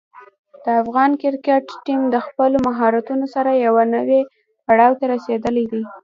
د افغان کرکټ ټیم د خپلو مهارتونو سره یوه نوې پړاو ته رسېدلی دی.